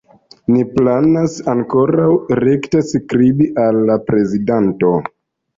Ni planas ankoraŭ rekte skribi al la prezidanto.